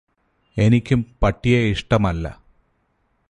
എനിക്കും പട്ടിയെ ഇഷ്ടമല്ല.